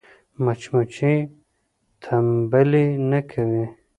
مچمچۍ تنبلي نه کوي